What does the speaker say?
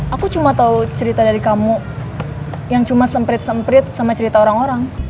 aku cuma tahu cerita dari kamu yang cuma semprit semprit sama cerita orang orang